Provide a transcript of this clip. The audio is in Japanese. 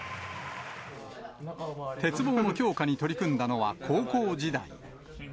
鉄棒の強化に取り組んだのは、高校時代。